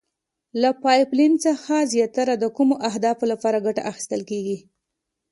له پایپ لین څخه زیاتره د کومو اهدافو لپاره ګټه اخیستل کیږي؟